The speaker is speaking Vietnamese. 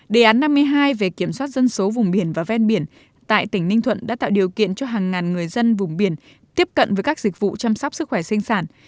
đề án năm mươi hai về kiểm soát dân số vùng biển và ven biển tại tỉnh ninh thuận đã tạo điều kiện cho hàng ngàn người dân vùng biển tiếp cận với các dịch vụ chăm sóc sức khỏe sinh sản